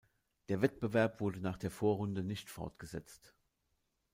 Der Wettbewerb wurde nach der Vorrunde nicht fortgesetzt.